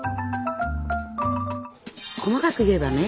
細かく言えばね。